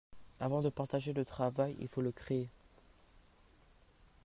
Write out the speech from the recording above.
Avant de partager le travail, il faut le créer.